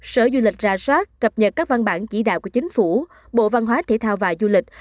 sở du lịch ra soát cập nhật các văn bản chỉ đạo của chính phủ bộ văn hóa thể thao và du lịch